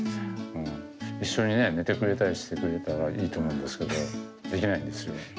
一緒にね寝てくれたりしてくれたらいいと思うんですけどできないんですよ。